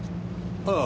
ああ。